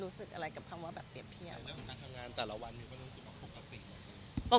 ในการทำงานแต่ละวันมิวก็รู้สึกว่าปกติเหรอคะ